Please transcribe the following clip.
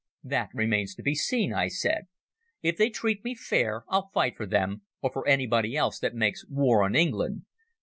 "That remains to be seen," I said. "If they treat me fair I'll fight for them, or for anybody else that makes war on England.